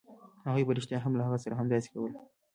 هغوی په رښتیا هم له هغه سره همداسې کول